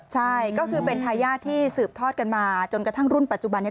ใช่ก็คือเป็นทายาทที่สืบทอดกันมาจนกระทั่งรุ่นปัจจุบันนี้